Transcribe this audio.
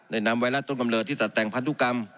นำไวรัสต้นกำเนิดที่ตัดแต่งพันธุกรรม